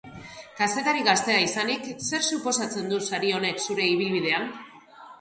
Kazetari gaztea izanik, zer suposatzen du sari honek zure ibilbidean?